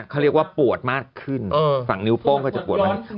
เขาเรียกว่าปวดมากขึ้นฝั่งนิ้วโป้งก็จะปวดมาก